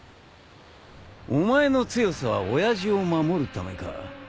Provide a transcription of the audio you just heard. お前の強さは親父を守るためか？